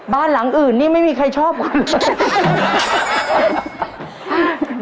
บ้านหลังอื่นนี่ไม่มีใครชอบก่อน